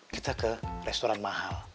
kita ke restoran mahal